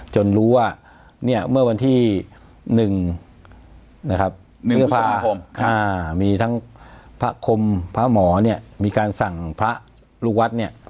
จนรู้ว่าเมื่อวันที่๑มีทั้งพระคมพระหมอมีการสั่งพระลูกวัด